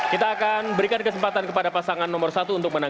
kita akan berikan kesempatan kepada pasangan nomor satu untuk menang